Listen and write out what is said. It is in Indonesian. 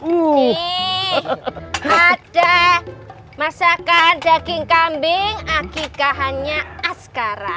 nih ada masakan daging kambing akekahannya askara